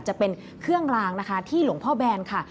จะเป็นเครื่องลางนะคะที่หลวงพ่อแบนค่ะ